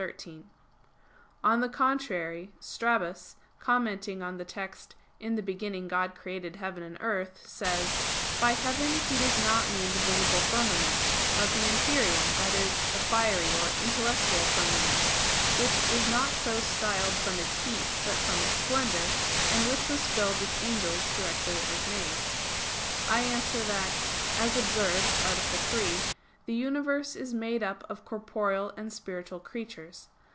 On the contrary, Strabus, commenting on the text "In the beginning God created heaven and earth," says: "By heaven he does not mean the visible firmament, but the empyrean, that is, the fiery or intellectual firmament, which is not so styled from its heat, but from its splendor; and which was filled with angels directly it was made." I answer that, As was observed (A. 3), the universe is made up of corporeal and spiritual creatures.